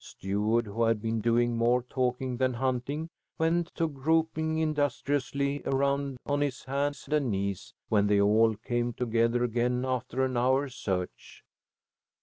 Stuart, who had been doing more talking than hunting, went to groping industriously around on his hands and knees, when they all came together again after an hour's search.